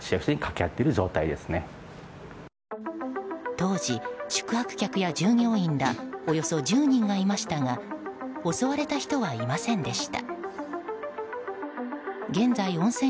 当時、宿泊客や従業員らおよそ１０人がいましたが襲われた人はいませんでした。